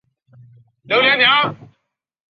普雷尼斯人口变化图示